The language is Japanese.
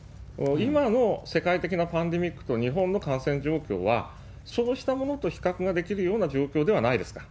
今の世界的なパンデミックと日本の感染状況は、そうしたものと比較ができるような状況ではないですから。